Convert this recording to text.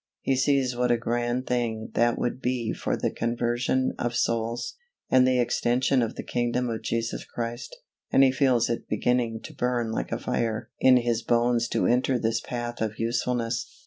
He sees what a grand thing that would be for the conversion of souls, and the extension of the kingdom of Jesus Christ, and he feels it beginning to burn like a fire in his bones to enter this path of usefulness.